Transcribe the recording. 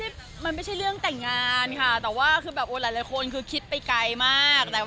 ได้ลงต่างการไปแล้ว